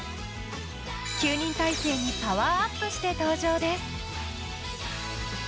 ９人体制にパワーアップして登場です。